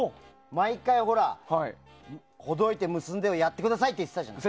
毎回、ほどいて、結んでやってくださいって言ってたじゃない。